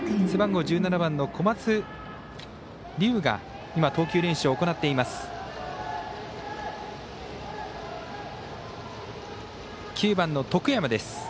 背番号１７番の小松龍生が投球練習を行っています。